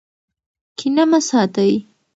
کینه مه ساتئ.